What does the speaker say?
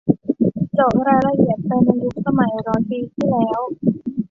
เจาะรายละเอียดไปในยุคสมัยร้อยปีที่แล้ว